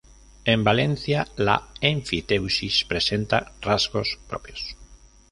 En Valencia, la enfiteusis presenta rasgos propios.